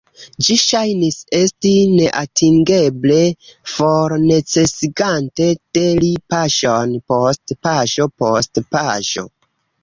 Ĝi ŝajnis esti neatingeble for, necesigante de li paŝon post paŝo post paŝo.